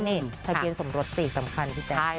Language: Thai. นี่ทะเบียนสมรส๔สำคัญพี่แจ๊ค